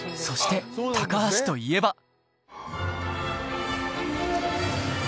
そして橋といえば